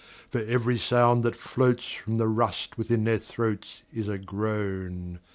For every sound that floatsFrom the rust within their throatsIs a groan.